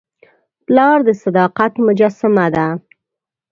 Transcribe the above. پلار د صداقت مجسمه ده.